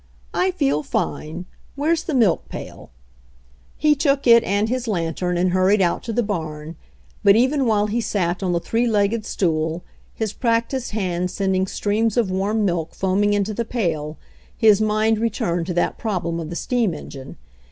"I feel fine. Where's the milk pail ?" He took it and his lantern and hurried out to the barn, but even while he sat on the three legged stool, his practiced hands sending streams of warm milk foaming into the pail, his mind re turned to that problem of the steam engine.